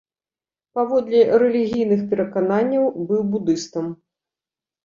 Паводле рэлігійных перакананняў быў будыстам.